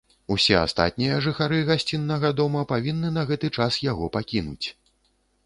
Усе астатнія жыхары гасціннага дома павінны на гэты час яго пакінуць.